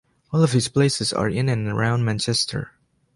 All of these places are in and around Manchester.